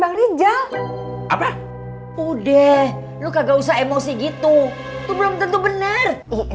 udah lu kagak usah emosi gitu tuh belum tentu bener